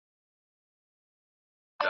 ورزش انسان فعال ساتي.